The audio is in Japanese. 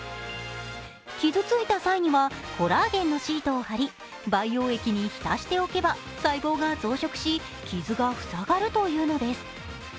傷ついた際にはコラーゲンのシートを貼り培養液に浸しておけば細胞が増殖し、傷が塞がるというのです。